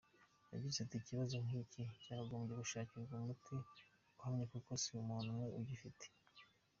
Yagize ati “Ikibazo nk’iki cyagombye gushakirwa umuti uhamye kuko si umuntu umwe ugifite.